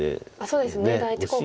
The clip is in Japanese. そうですね第１候補。